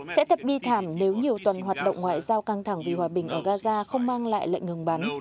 sẽ thật bi thảm nếu nhiều tuần hoạt động ngoại giao căng thẳng vì hòa bình ở gaza không mang lại lệnh ngừng bắn